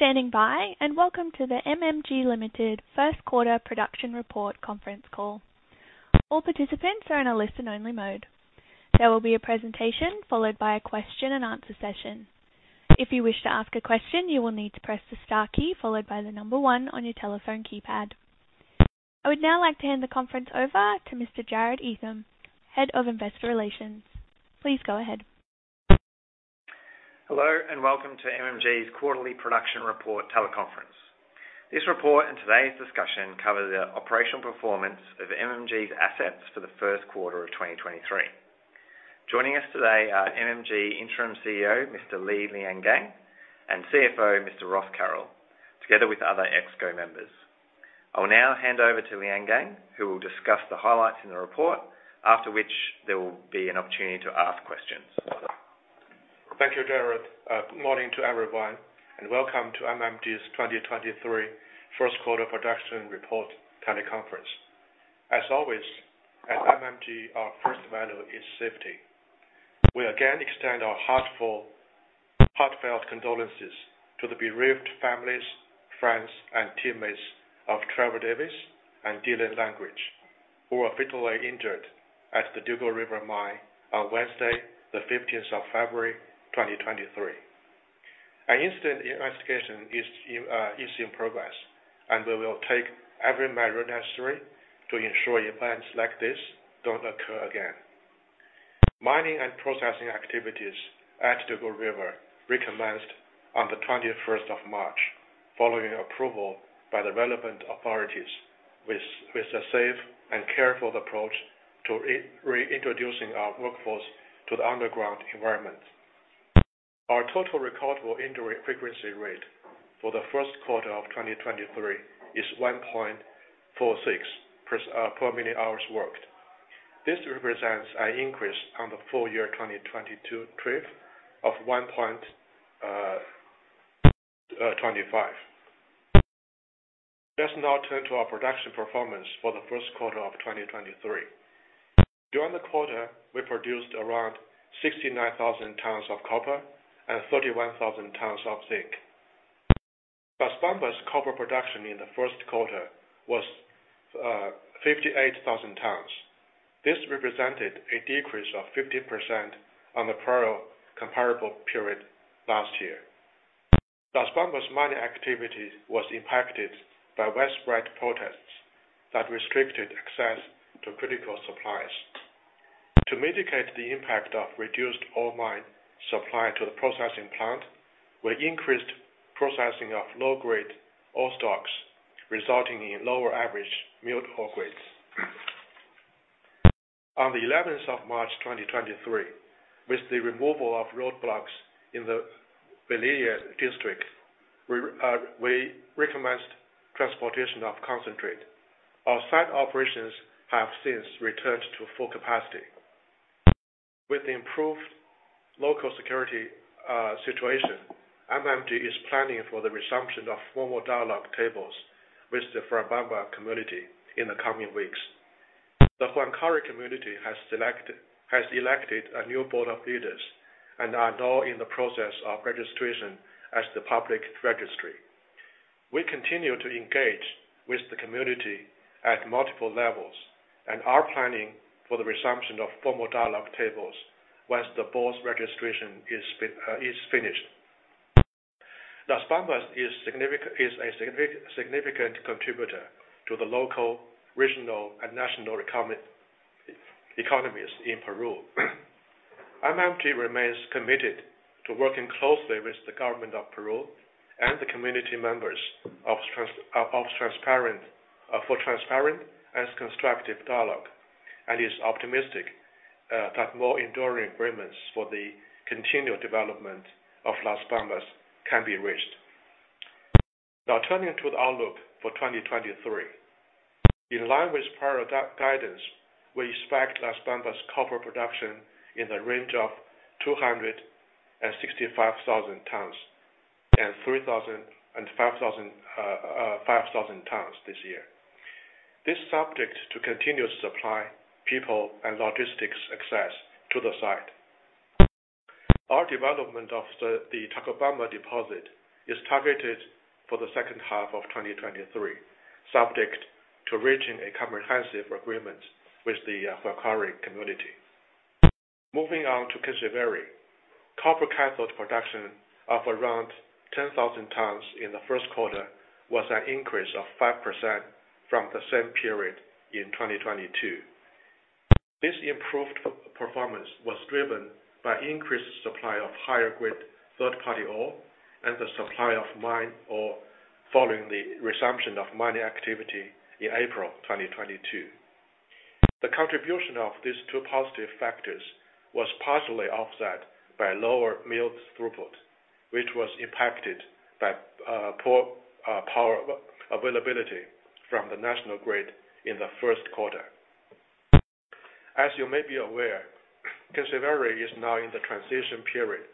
Thank you for standing by, and welcome to the MMG Limited First Quarter Production Report Conference Call. All participants are in a listen-only mode. There will be a presentation followed by a question-and-answer session. If you wish to ask a question, you will need to press the star key followed by the number one on your telephone keypad. I would now like to hand the conference over to Mr. Jarod Esam, Head of Investor Relations. Please go ahead. Hello, and welcome to MMG's Quarterly Production Report Teleconference. This report and today's discussion cover the operational performance of MMG's assets for the first quarter of 2023. Joining us today are MMG interim CEO, Mr. Li Liangang, and CFO, Mr. Ross Carroll, together with other ExCo members. I will now hand over to Liangang, who will discuss the highlights in the report, after which there will be an opportunity to ask questions. Thank you, Jarrod. Good morning to everyone, welcome to MMG's 2023 First Quarter Production Report Teleconference. As always, at MMG, our first value is safety. We again extend our heartfelt condolences to the bereaved families, friends, and teammates of Trevor Davis and Dylan Langridge, who were fatally injured at the Dugald River mine on Wednesday, the 15th of February, 2023. An incident investigation is in progress, we will take every measure necessary to ensure events like this don't occur again. Mining and processing activities at Dugald River recommenced on the 21st of March, following approval by the relevant authorities with a safe and careful approach to reintroducing our workforce to the underground environment. Our total recordable injury frequency rate for the first quarter of 2023 is 1.46 per million hours worked. This represents an increase on the full year 2022 TRIF of 1.25. Let's now turn to our production performance for the first quarter of 2023. During the quarter, we produced around 69,000 tons of copper and 31,000 tons of zinc. Las Bambas copper production in the first quarter was 58,000 tons. This represented a decrease of 50% on the prior comparable period last year. Las Bambas mining activity was impacted by widespread protests that restricted access to critical supplies. To mitigate the impact of reduced ore mine supply to the processing plant, we increased processing of low-grade ore stocks, resulting in lower average milled ore grades. On the 11th of March 2023, with the removal of roadblocks in the Velille district, we recommenced transportation of concentrate. Our site operations have since returned to full capacity. With improved local security, situation, MMG is planning for the resumption of formal dialogue tables with the Fuerabamba community in the coming weeks. The Huancuire community has elected a new board of leaders and are now in the process of registration as the public registry. We continue to engage with the community at multiple levels and are planning for the resumption of formal dialogue tables once the board's registration is finished. Las Bambas is a significant contributor to the local, regional, and national economies in Peru. MMG remains committed to working closely with the government of Peru and the community members of transparent, for transparent and constructive dialogue, and is optimistic that more enduring agreements for the continued development of Las Bambas can be reached. Turning to the outlook for 2023. In line with prior guidance, we expect Las Bambas copper production in the range of 265,000 tons and 3,000 tons and 5,000 tons this year. This subject to continued supply, people and logistics access to the site. Our development of the Chalcobamba deposit is targeted for the second half of 2023, subject to reaching a comprehensive agreement with the Huancuire community. Moving on to Kinsevere. Copper cathode production of around 10,000 tons in the first quarter was an increase of 5% from the same period in 2022. This improved performance was driven by increased supply of higher-grade third-party ore and the supply of mined ore following the resumption of mining activity in April 2022. The contribution of these two positive factors was partially offset by lower mill throughput, which was impacted by poor power availability from the national grid in the first quarter. As you may be aware, Kinsevere is now in the transition period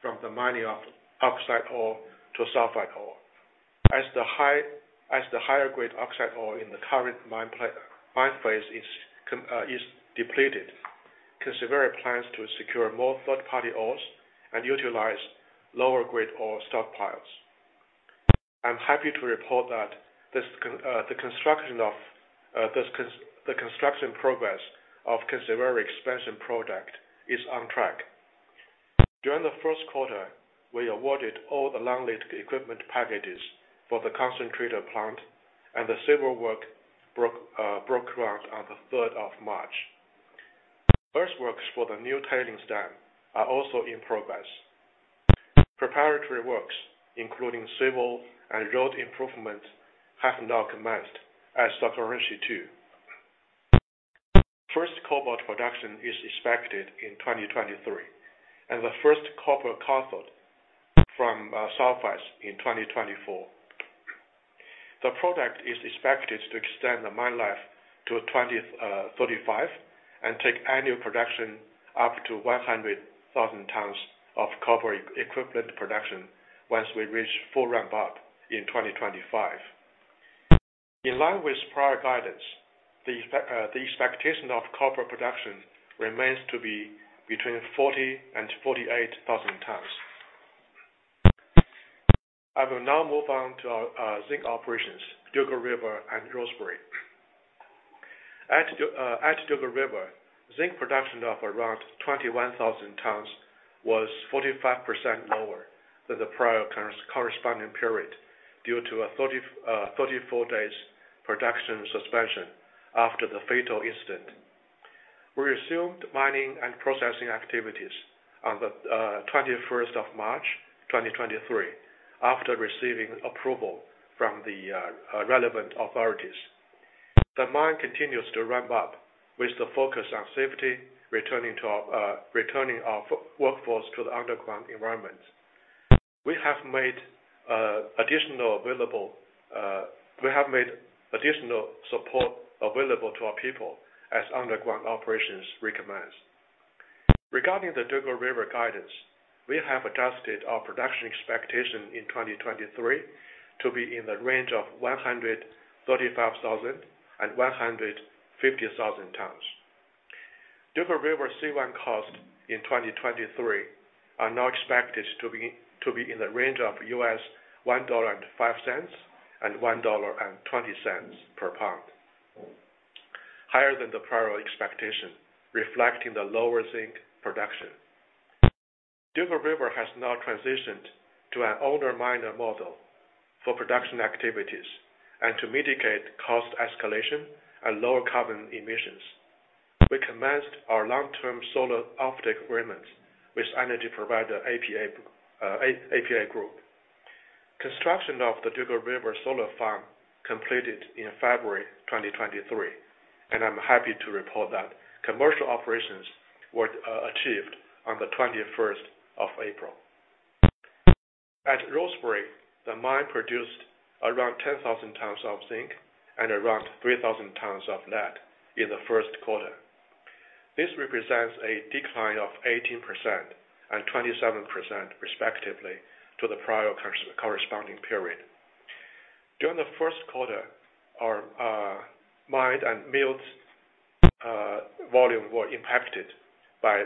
from the mining of oxide ore to sulfide ore as the High-grade oxide ore in the current mine phase is depleted. Kinsevere plans to secure more third-party ores and utilize lower grade ore stockpiles. I'm happy to report that the construction progress of Kinsevere Expansion Project is on track. During the first quarter, we awarded all the long-lead equipment packages for the concentrator plant, and the civil work broke ground on the third of March. Earthworks for the new tailings dam are also in progress. Preparatory works, including civil and road improvement, have now commenced at Sokoroshe II. First cobalt production is expected in 2023, and the first copper cathode from surpassed in 2024. The project is expected to extend the mine life to 2035 and take annual production up to 100,000 tons of copper equivalent production once we reach full ramp up in 2025. In line with prior guidance, the expectation of copper production remains to be between 40,000 and 48,000 tons. I will now move on to our zinc operations, Dugald River and Rosebery. At Dugald River, zinc production of around 21,000 tons was 45% lower than the prior corresponding period due to a 34 days production suspension after the fatal incident. We resumed mining and processing activities on the 21st of March, 2023, after receiving approval from the relevant authorities. The mine continues to ramp up with the focus on safety, returning our workforce to the underground environment. We have made additional available, we have made additional support available to our people as underground operations recommence. Regarding the Dugald River guidance, we have adjusted our production expectation in 2023 to be in the range of 135,000 tons-150,000 tons. Dugald River C1 costs in 2023 are now expected to be in the range of $1.05-$1.20 per pound. Higher than the prior expectation, reflecting the lower zinc production. Dugald River has now transitioned to an owner miner model for production activities and to mitigate cost escalation and lower carbon emissions. We commenced our long-term solar offtake agreements with energy provider APA Group. Construction of the Dugald River solar farm completed in February 2023. I'm happy to report that commercial operations were achieved on the 21st of April. At Rosebery, the mine produced around 10,000 tons of zinc and around 3,000 tons of lead in the first quarter. This represents a decline of 18% and 27% respectively to the prior corresponding period. During the first quarter, our mined and milled volume were impacted by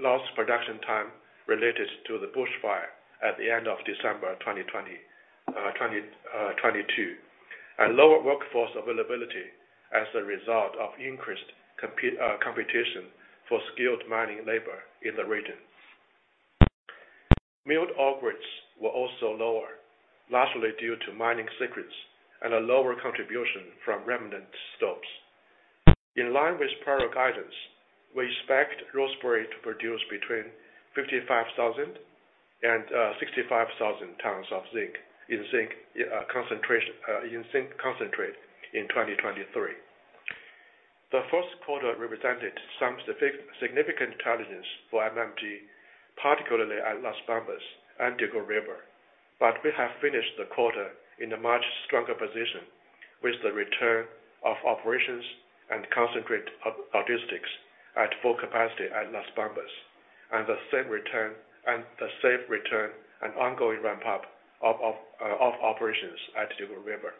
lost production time related to the bush fire at the end of December 2022, and lower workforce availability as a result of increased competition for skilled mining labor in the region. Milled ore grades were also lower, largely due to mining sequence and a lower contribution from remnant stopes. In line with prior guidance, we expect Rosebery to produce between 55,000 tons and 65,000 tons of zinc in zinc concentrate in 2023. The first quarter represented some significant challenges for MMG, particularly at Las Bambas and Dugald River. We have finished the quarter in a much stronger position with the return of operations and concentrate logistics at full capacity at Las Bambas and the safe return and ongoing ramp up of operations at Dugald River.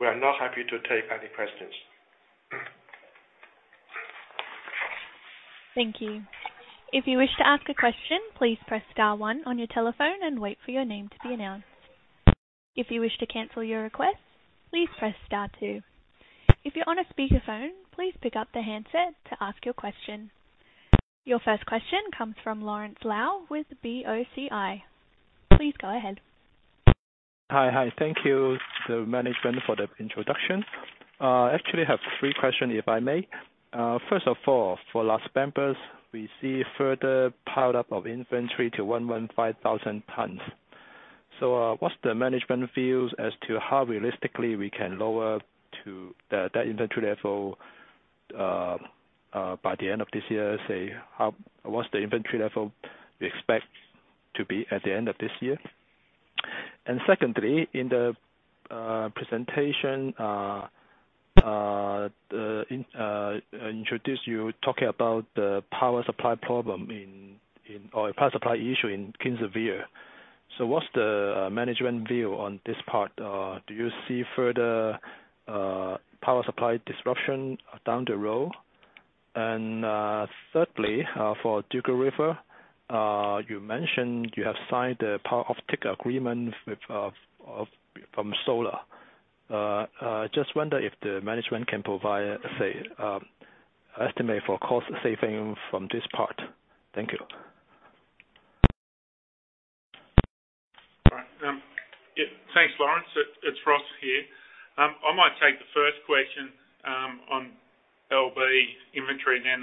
We are now happy to take any questions. Thank you. If you wish to ask a question, please press star one on your telephone and wait for your name to be announced. If you wish to cancel your request, please press star two. If you're on a speakerphone, please pick up the handset to ask your question. Your first question comes from Lawrence Lau with BOCI. Please go ahead. Hi. Hi. Thank you, the management for the introduction. Actually have three questions, if I may. First of all, for Las Bambas, we see further pileup of inventory to 115,000 tons. What's the management views as to how realistically we can lower that inventory level by the end of this year, say, how, what's the inventory level we expect to be at the end of this year? Secondly, in the presentation, the introduce you talking about the power supply problem in or power supply issue in Kinshasa. What's the management view on this part? Do you see further power supply disruption down the road? Thirdly, for Dugald River, you mentioned you have signed a power offtake agreement with from solar, just wonder if the management can provide, say, estimate for cost saving from this part? Thank you. All right. Yeah, thanks, Lawrence. It's Ross here. I might take the first question on LB inventory and then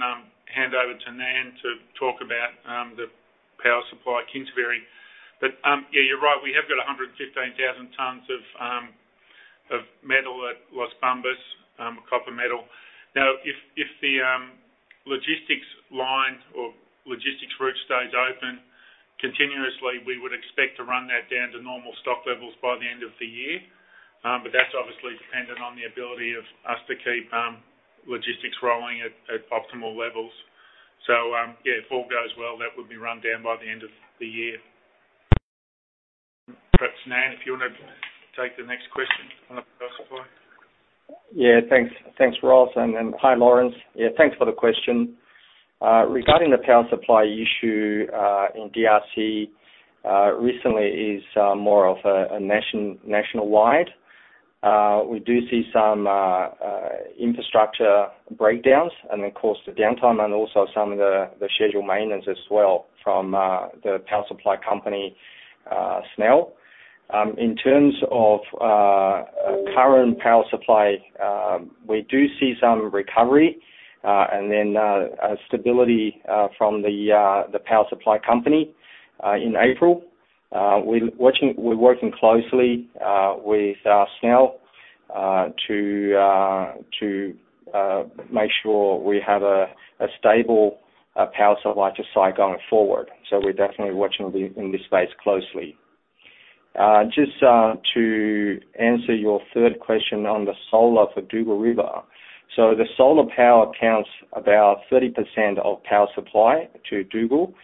hand over to Nan to talk about the power supply at Kinshasa. Yeah, you're right. We have got 115,000 tons of metal at Las Bambas, copper metal. Now, if the logistics line or logistics route stays open continuously, we would expect to run that down to normal stock levels by the end of the year. That's obviously dependent on the ability of us to keep logistics rolling at optimal levels. Yeah, if all goes well, that would be run down by the end of the year. Perhaps, Nan, if you wanna take the next question on the power supply. Yeah, thanks. Thanks, Ross, and hi, Lawrence. Yeah, thanks for the question. Regarding the power supply issue, in DRC, recently is more of a nationwide. We do see some infrastructure breakdowns and then, of course, the downtime and also some of the scheduled maintenance as well from the power supply company, SNEL. In terms of current power supply, we do see some recovery, and then stability, from the power supply company, in April. We're working closely with SNEL to make sure we have a stable power supply to site going forward. We're definitely watching the, in this space closely. Just to answer your third question on the solar for Dugald River. The solar power accounts about 30% of power supply to Dugald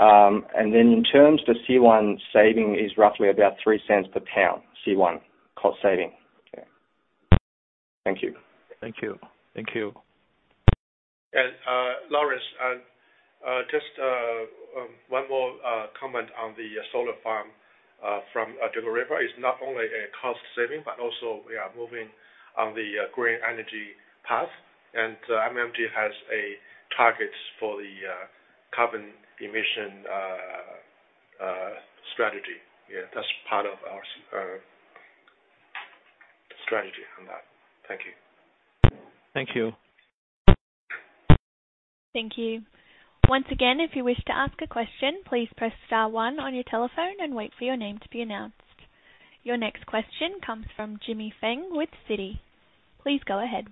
River. In terms to C1 saving is roughly about $0.03 per pound, C1 cost saving. Yeah. Thank you. Thank you. Thank you. Lawrence, just one more comment on the solar farm from Dugald River. It's not only a cost saving, but also we are moving on the green energy path. MMG has a target for the carbon emission strategy. That's part of our strategy on that. Thank you. Thank you. Thank you. Once again, if you wish to ask a question, please press star one on your telephone and wait for your name to be announced. Your next question comes from Jingshan Feng with Citi. Please go ahead.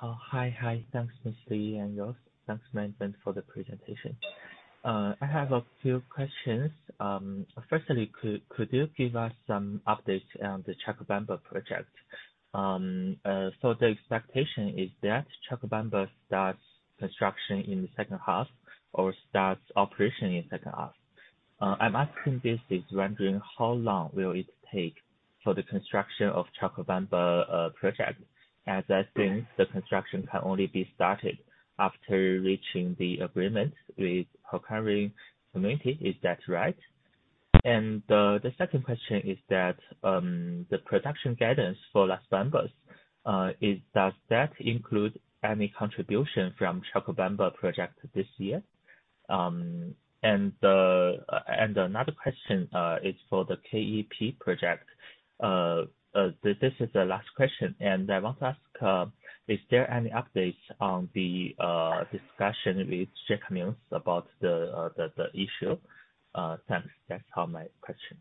Hi. Hi. Thanks, Miss Lee and Ross. Thanks, management, for the presentation. I have a few questions. Firstly, could you give us some updates on the Chalcobamba project? So the expectation is that Chalcobamba starts construction in the second half or starts operation in second half. I'm asking this is wondering how long will it take for the construction of Chalcobamba project, as I think the construction can only be started after reaching the agreement with recurring community. Is that right? The second question is that the production guidance for Las Bambas is, does that include any contribution from Chalcobamba project this year? Another question is for the KEP project. This is the last question. I want to ask, is there any updates on the discussion with Gécamines about the, the issue? Thanks. That's all my question.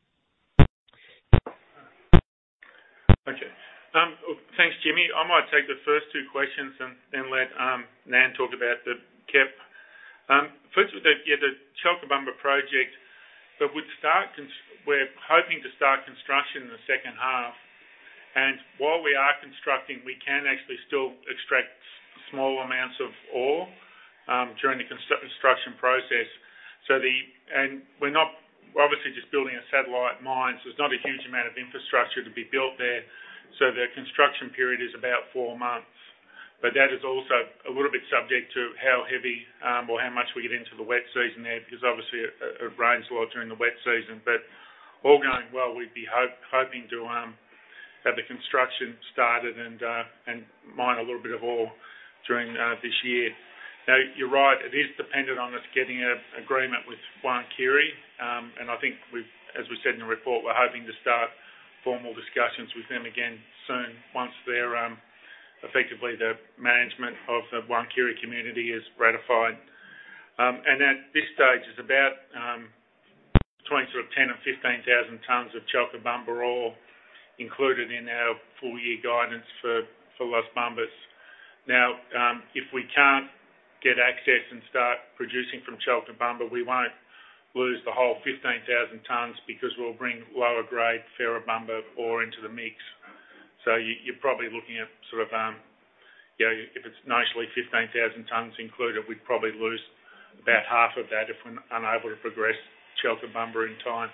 Okay. Thanks, Jimmy. I might take the first two questions and then let Nan talk about the KEP. First with the, yeah, the Chalcobamba project, We're hoping to start construction in the second half. While we are constructing, we can actually still extract small amounts of ore during the construction process. We're not obviously just building a satellite mine, so there's not a huge amount of infrastructure to be built there. The construction period is about 4 months. That is also a little bit subject to how heavy or how much we get into the wet season there because obviously it rains a lot during the wet season. All going well, we'd be hoping to have the construction started and mine a little bit of ore during this year. You're right. It is dependent on us getting an agreement with Huancuire. I think we've, as we said in the report, we're hoping to start formal discussions with them again soon once their effectively the management of the Huancuire community is ratified. At this stage is about between sort of 10,000 tons and 15,000 tons of Chalcobamba ore included in our full year guidance for Las Bambas. If we can't get access and start producing from Chalcobamba, we won't lose the whole 15,000 tons because we'll bring lower grade Ferrobamba ore into the mix. You're probably looking at sort of, you know, if it's nicely 15,000 tons included, we'd probably lose about half of that if we're unable to progress Chalcobamba in time.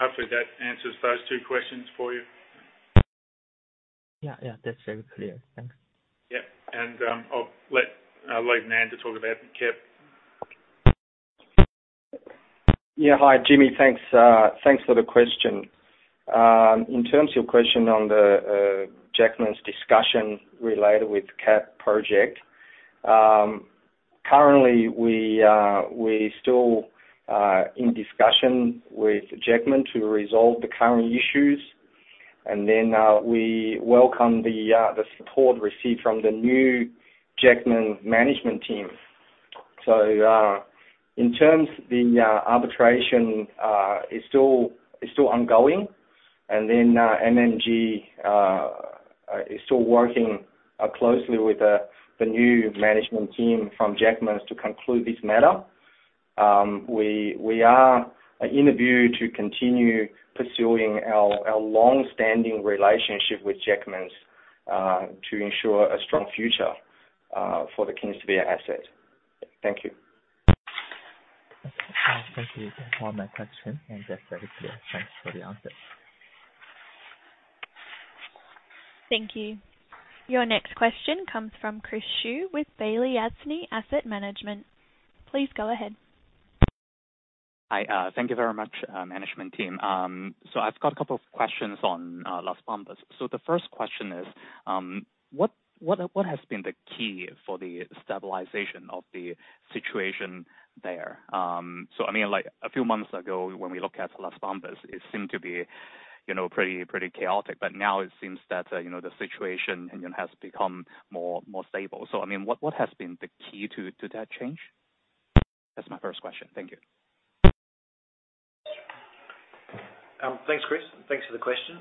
Hopefully that answers those two questions for you. Yeah, yeah, that's very clear. Thanks. Yeah. I'll let Nan to talk about KEP. Yeah. Hi, Jimmy. Thanks, thanks for the question. In terms of your question on the Gécamines discussion related with KEP project. Currently, we still in discussion with Gécamines to resolve the current issues. We welcome the support received from the new Gécamines management team. In terms the arbitration is still ongoing. MMG is still working closely with the new management team from Gécamines to conclude this matter. We are in the view to continue pursuing our long-standing relationship with Gécamines, to ensure a strong future for the Kinsevere asset. Thank you. Okay. Thank you for my question. That's very clear. Thanks for the answer. Thank you. Your next question comes from Chris Shiu with Balyasny Asset Management. Please go ahead. Hi. Thank you very much, management team. I've got a couple of questions on Las Bambas. The first question is, what has been the key for the stabilization of the situation there? I mean, like, a few months ago, when we look at Las Bambas, it seemed to be, you know, pretty chaotic. Now it seems that, you know, the situation has become more stable. I mean, what has been the key to that change? That's my first question. Thank you. Thanks, Chris. Thanks for the question.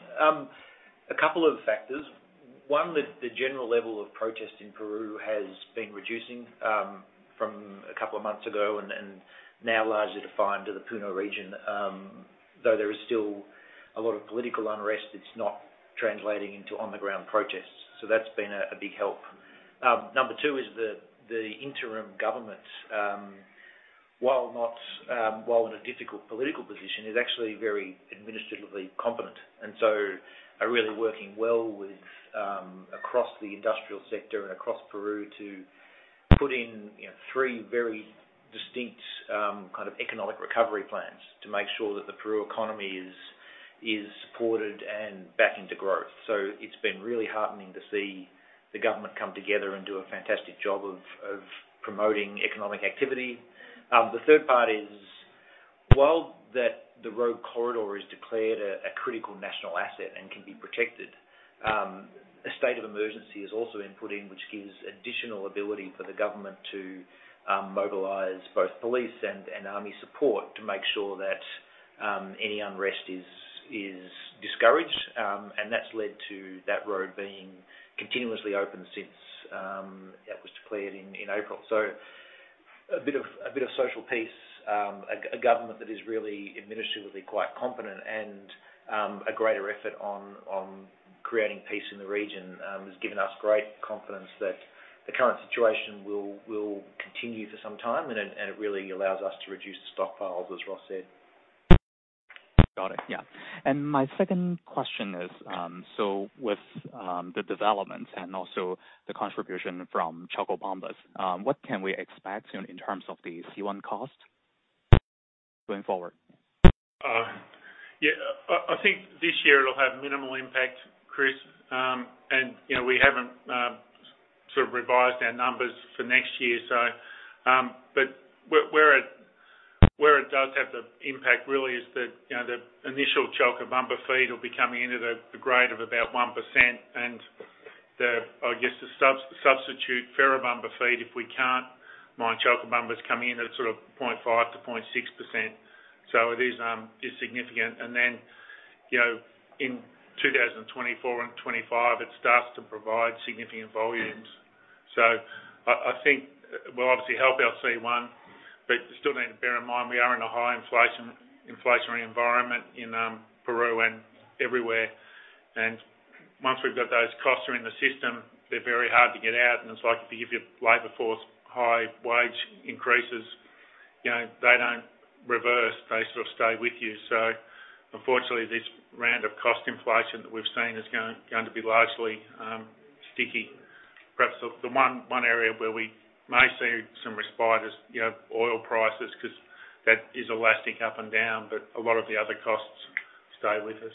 A couple of factors. One, the general level of protests in Peru has been reducing from a couple of months ago and now largely defined to the Puno region. Though there is still a lot of political unrest, it's not translating into on the ground protests. That's been a big help. Number two is the interim government, while in a difficult political position, is actually very administratively competent, and so are really working well with across the industrial sector and across Peru to put in, you know, three very distinct kind of economic recovery plans to make sure that the Peru economy is supported and backing to growth. It's been really heartening to see the government come together and do a fantastic job of promoting economic activity. The third part is, while that the road corridor is declared a critical national asset and can be protected, a state of emergency has also been put in which gives additional ability for the government to mobilize both police and army support to make sure that any unrest is discouraged. That's led to that road being continuously open since it was declared in April. A bit of social peace, a government that is really administratively quite competent and a greater effort on creating peace in the region has given us great confidence that the current situation will continue for some time, and it really allows us to reduce the stockpiles, as Ross said. Got it. Yeah. My second question is, with the developments and also the contribution from Chalcobamba, what can we expect in terms of the C1 cost going forward? Yeah. I think this year it'll have minimal impact, Chris. You know, we haven't sort of revised our numbers for next year, so, but where it does have the impact really is, you know, the initial Chalcobamba feed will be coming into the grade of about 1%. The, I guess the substitute Ferrobamba feed, if we can't mine Chalcobamba, is coming in at sort of 0.5%-0.6%. It is significant. You know, in 2024 and 2025, it starts to provide significant volumes. I think it will obviously help our C1, but you still need to bear in mind we are in a high inflationary environment in Peru and everywhere. Once we've got those costs are in the system, they're very hard to get out. It's like if you give your labor force high wage increases, you know, they don't reverse. They sort of stay with you. Unfortunately, this round of cost inflation that we've seen is going to be largely sticky. Perhaps the one area where we may see some respite is, you know, oil prices 'cause that is elastic up and down, but a lot of the other costs stay with us.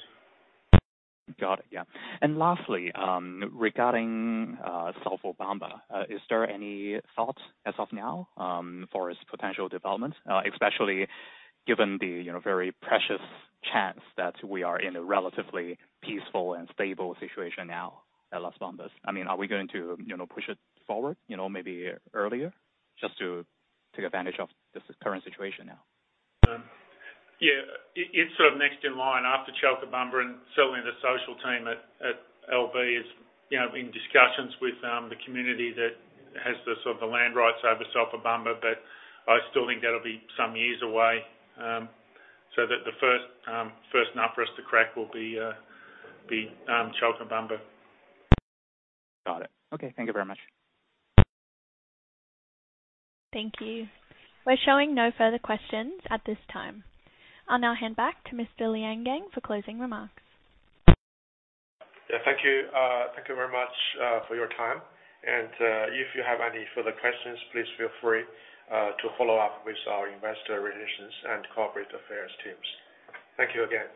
Got it. Yeah. Lastly, regarding Sulfobamba, is there any thought as of now, for its potential development, especially given the, you know, very precious chance that we are in a relatively peaceful and stable situation now at Las Bambas? I mean, are we going to, you know, push it forward, you know, maybe earlier just to take advantage of this current situation now? Yeah. It's sort of next in line after Chalcobamba, certainly the social team at LB is, you know, in discussions with the community that has the sort of the land rights over Sulfobamba, but I still think that'll be some years away. The first nut for us to crack will be Chalcobamba. Got it. Okay. Thank you very much. Thank you. We're showing no further questions at this time. I'll now hand back to Mr. Liangang for closing remarks. Thank you. Thank you very much for your time. If you have any further questions, please feel free to follow up with our Investor Relations and Corporate Affairs teams. Thank you again.